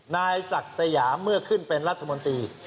นายศักดิ์สยามเมื่อขึ้นเป็นรัฐมนตรี